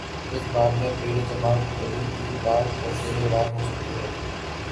اس باب میں پیر جماعت علی کی بات مشعل راہ ہو سکتی ہے۔